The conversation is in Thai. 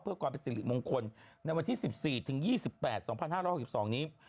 เพื่อความเป็นสิริมงคลในวันที่๑๔ถึง๒๘๒๕๖๒นี้